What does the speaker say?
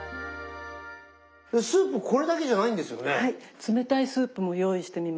スープこれだけじゃないんですよね？